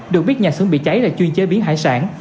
được biết nhà xưởng bị cháy là chuyên chế biến hải sản